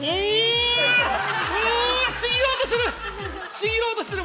ちぎろうとする。